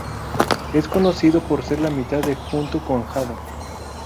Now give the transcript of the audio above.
Es conocido por ser la mitad de junto con Jado.